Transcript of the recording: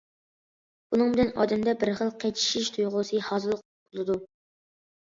بۇنىڭ بىلەن ئادەمدە بىر خىل قىچىشىش تۇيغۇسى ھاسىل بولىدۇ.